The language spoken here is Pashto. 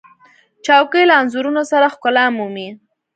چوکۍ له انځورونو سره ښکلا مومي.